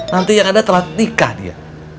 nanti yang ada telat nikah dia